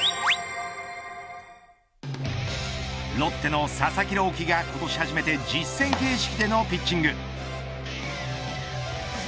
ロッテの佐々木朗希が今年初めて実戦形式でのピッチング。